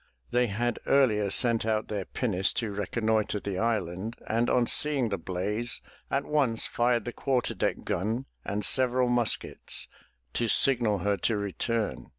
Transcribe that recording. They had earlier sent out their pinnace to reconnoiter the island, and on seeing the 'blaze, at once fired the quarter deck gun and several muskets to signal her to return.